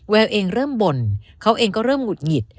เองเริ่มบ่นเขาเองก็เริ่มหุดหงิด